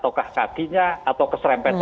satu juga tembak kerataan bipolar gitu